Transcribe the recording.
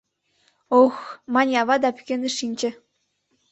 — О-ох, — мане ава да пӱкеныш шинче.